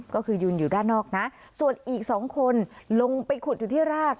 ก็คือยืนอยู่ด้านนอกนะส่วนอีกสองคนลงไปขุดอยู่ที่ราก